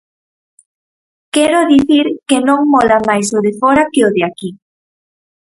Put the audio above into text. Quero dicir que non "mola" máis o de fóra que o de aquí.